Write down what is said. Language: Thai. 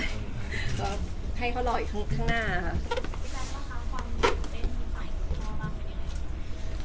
ช่องกันแล้วคือให้เขารออีกขั้นหน้าค่ะ